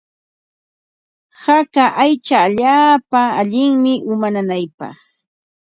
Haka aycha allaapa allinmi uma nanaypaq.